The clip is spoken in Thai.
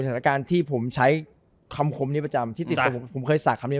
สถานการณ์ที่ผมใช้คำคมนี้ประจำที่ติดตัวผมผมเคยสาดคำนี้